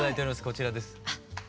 こちらです。